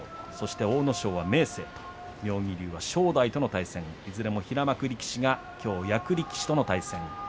阿武咲は、明生と妙義龍は正代といずれも平幕が役力士との対戦。